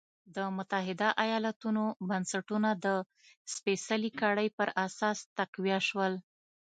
د متحده ایالتونو بنسټونه د سپېڅلې کړۍ پر اساس تقویه شول.